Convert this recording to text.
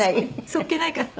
そっけないから。